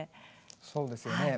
そうですよね。